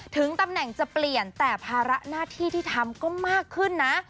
ถึงตำแหน่งจะเปลี่ยนแต่ภาระหน้าที่ที่ทำก็มากขึ้นนะ